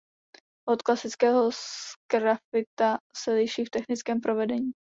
Od klasického sgrafita se liší v technickém provedení.